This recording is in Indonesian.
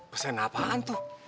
pesen apaan tuh